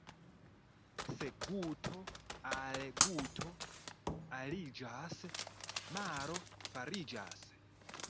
Se guto al guto aliĝas, maro fariĝas.